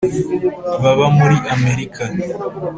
baba muri amerika.